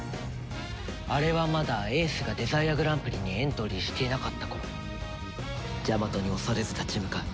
あれはまだ英寿がデザイアグランプリにエントリーしていなかった頃ジャマトに恐れず立ち向かう